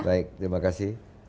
baik terima kasih